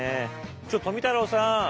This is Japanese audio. ちょ富太郎さん。